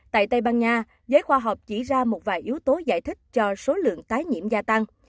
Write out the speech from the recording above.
tại tây ban nha giới khoa học chỉ ra một vài yếu tố giải thích cho số lượng tái nhiễm gia tăng